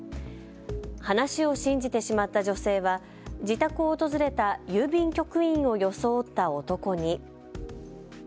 話を信じてしまった女性は自宅を訪れた郵便局員を装った男に。